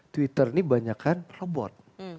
twitter ini banyakan robot